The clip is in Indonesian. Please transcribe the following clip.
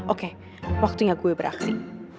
oke waktunya gue berakti